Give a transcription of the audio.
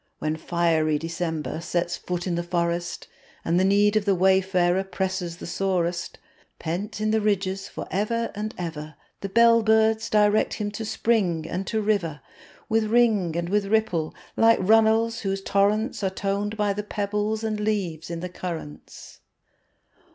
When fiery December sets foot in the forest, And the need of the wayfarer presses the sorest, Pent in the ridges for ever and ever. The bell birds direct him to spring and to river, With ring and with ripple, like runnels whose torrents Are toned by the pebbles and leaves in the currents.